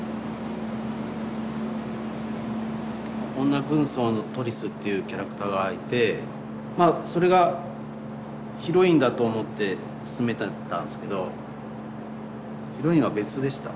女軍曹のトリスっていうキャラクターがいてそれがヒロインだと思って進めてたんですけどヒロインは別でした。